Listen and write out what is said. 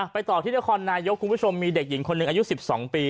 ต่อที่นครนายกคุณผู้ชมมีเด็กหญิงคนหนึ่งอายุ๑๒ปี